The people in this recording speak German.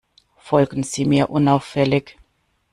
Folgen Sie mir unauffällig.